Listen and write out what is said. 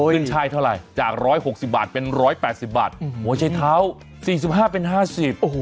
ขึ้นช่ายเท่าไหร่จาก๑๖๐บาทเป็น๑๘๐บาทโอ้โหใช้เท้า๔๕เป็น๕๐โอ้โห